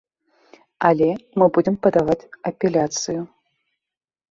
Але мы будзем падаваць апеляцыю.